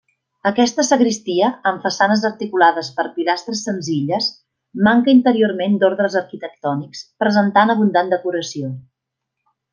Aquesta sagristia, amb façanes articulades per pilastres senzilles, manca interiorment d'ordres arquitectònics, presentant abundant decoració.